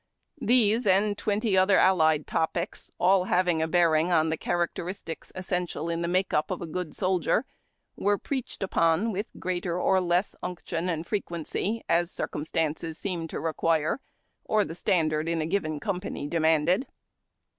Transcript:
These, and twenty other allied topics, all having a bearing on the characteris tics essential in the make up of a good soldier, were preached u])on with greater or less unction and frequency, as circum stances seemed to require, or the standard in a given com pany demanded.